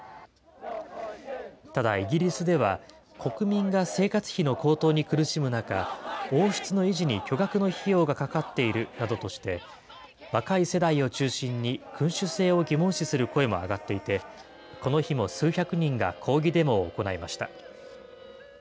ただ、イギリスでは国民が生活費の高騰に苦しむ中、王室の維持に巨額の費用がかかっているなどとして、若い世代を中心に君主制を疑問視する声も上がっていて、この日も数百人が抗議デモを行いました。